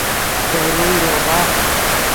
پے روئے روڤا